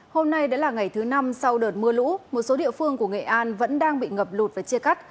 hôm nay đã là ngày thứ năm sau đợt mưa lũ một số địa phương của nghệ an vẫn đang bị ngập lụt và chia cắt